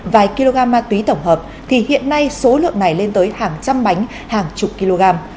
vài kg ma túy tổng hợp thì hiện nay số lượng này lên tới hàng trăm bánh hàng chục kg